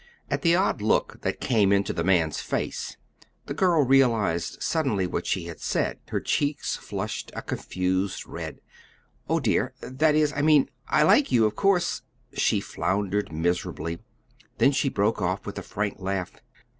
At the odd look that came into the man's face, the girl realized suddenly what she had said. Her cheeks flushed a confused red. "Oh, dear! That is, I mean I like you, of course," she floundered miserably; then she broke off with a frank laugh.